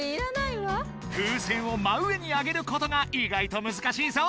風船を真上に上げることが意外とむずかしいぞ！